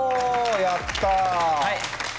やった。